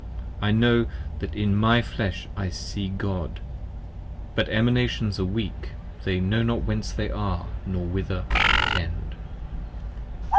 I know that in my flesh I shall see God: but Emanations Are weak, they know not whence they are, nor whither tend.